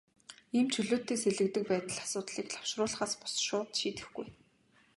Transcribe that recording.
Ийм чөлөөтэй сэлгэдэг байдал асуудлыг лавшруулахаас бус, шууд шийдэхгүй.